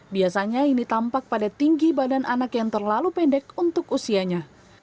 biasanya ini tampak pada tinggi badan anak yang terlalu pendek untuk usianya